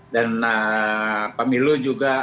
dan pemilu juga